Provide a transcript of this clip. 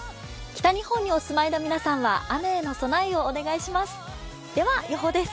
北日本にお住まいの皆さんは雨への備えをお願いします。